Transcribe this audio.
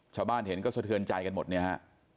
ชาวบ้านเห็นก็สะเทือนใจกันหมดเนี่ยฮะ